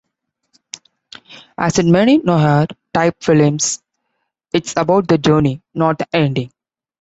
As in many "noir" type films, it's about the journey, not the ending.